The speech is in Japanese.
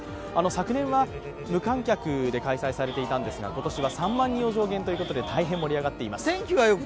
昨年は無観客で開催されていたんですが今年は３万人を上限ということで大変盛り上がっています。